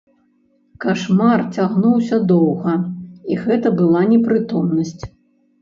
Кашмар цягнуўся доўга, і гэта была непрытомнасць.